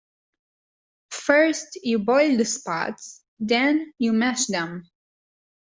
First you boil the spuds, then you mash them.